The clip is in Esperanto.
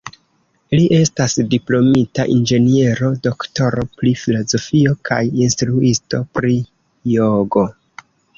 Li estas diplomita inĝeniero, doktoro pri filozofio kaj instruisto pri jogo.